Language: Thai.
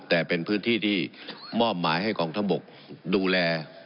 แต่เป็นพื้นที่ที่มอบหมายให้กองทัพบกดูแล